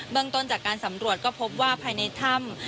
เมืองต้นจากการสำรวจก็พบว่าภายในถ้ำ